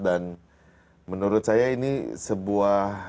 dan menurut saya ini sebuah